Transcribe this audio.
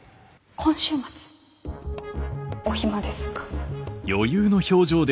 今週末お暇ですか？